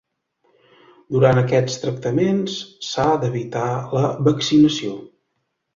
Durant aquests tractaments s’ha d’evitar la vaccinació.